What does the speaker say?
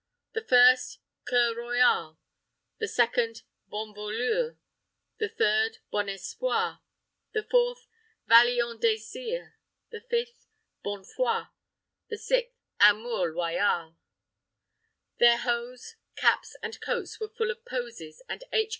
The first, C[oe]ur Loyal; the second, Bonne Volure; the third, Bon Espoir; the fourth, Valiant Désire; the fifth, Bonne Foi; the sixth, Amour Loyal. Their hose, caps, and coats, were full of posies and H.